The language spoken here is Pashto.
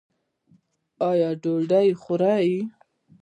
ایا ډوډۍ خورئ؟